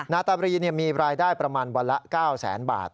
นาตาบรีมีรายได้ประมาณวันละ๙แสนบาท